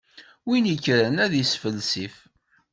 Win ikkren ad isfelsif.